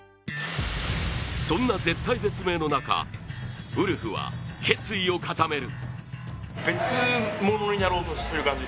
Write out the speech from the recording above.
そんな絶体絶命の中、ウルフは決意を固める。